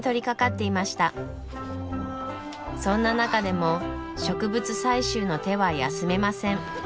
そんな中でも植物採集の手は休めません。